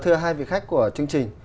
thưa hai vị khách của chương trình